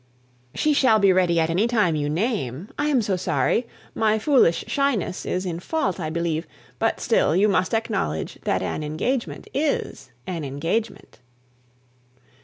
"She shall be ready at any time you name. I am so sorry: my foolish shyness is in fault, I believe; but still you must acknowledge that an engagement is an engagement."